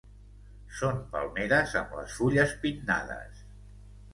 Són palmeres amb les fulles pinnades.